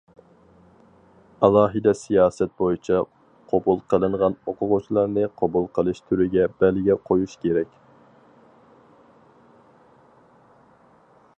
ئالاھىدە سىياسەت بويىچە قوبۇل قىلىنغان ئوقۇغۇچىلارنى قوبۇل قىلىش تۈرىگە بەلگە قويۇش كېرەك.